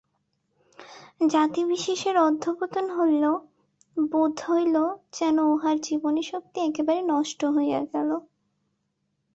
জাতিবিশেষের অধঃপতন হইল, বোধ হইল যেন উহার জীবনীশক্তি একেবারে নষ্ট হইয়া গেল।